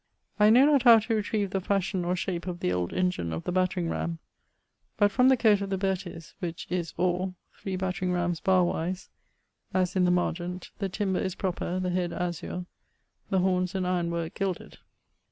I know not how to retreive the fashion or shape of the old engine of the battering ramme, but from the coate of the Bertyes, which is 'or, 3 battering rammes barrewise,' as in the margent, the timber is proper, the head azure, the hornes and ironworke gilded.